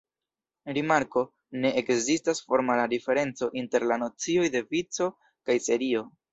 Rimarko: Ne ekzistas formala diferenco inter la nocioj de vico kaj serio.